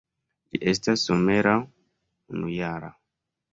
Ĝi estas somera unujara.